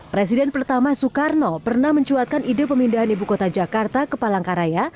presiden pertama soekarno pernah mencuatkan ide pemindahan ibu kota jakarta ke palangkaraya